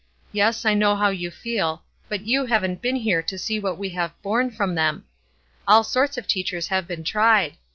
Yes, I know how you feel: but you haven't been here to see what we have borne from them. All sorts of teachers have been tried.